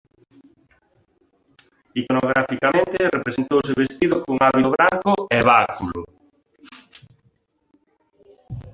Iconograficamente representouse vestido con hábito branco e báculo.